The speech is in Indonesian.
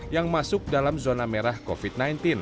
yang masuk dalam zona merah covid sembilan belas